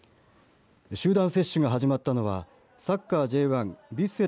集団接種が始まったのはサッカーＪ１ヴィッセル